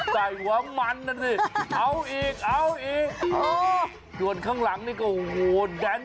สายหัวผมไม่เอาแล้วเหรอ